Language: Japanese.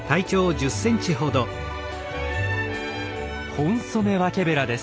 ホンソメワケベラです。